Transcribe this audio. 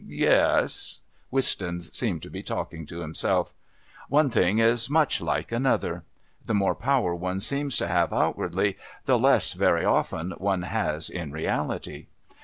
Yes..." Wistons seemed to be talking to himself. "One thing is much like another. The more power one seems to have outwardly, the less very often one has in reality.